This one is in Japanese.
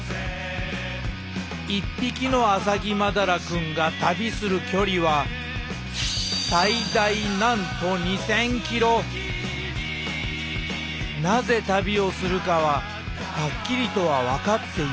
一匹のアサギマダラくんが旅する距離はなぜ旅をするかははっきりとは分かっていません。